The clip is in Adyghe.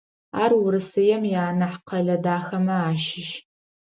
Ар Урысыем ианахь къэлэ дахэмэ ащыщ.